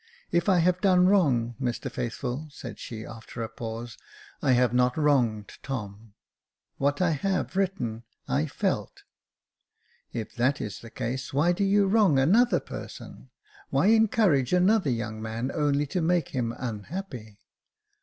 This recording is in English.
If I have done wrong, Mr Faithful," said she, after a pause, " I have not wronged Tom ; what I have written, I felt." " If that is the case, why do you wrong another person ? why encourage another young man only to make him unhappy